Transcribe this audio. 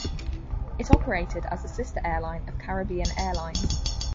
It operated as a sister airline of Caribbean Airlines.